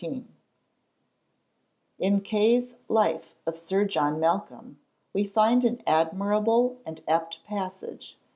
"] In Kay's "Life of Sir John Malcolm," we find an admirable and apt passage.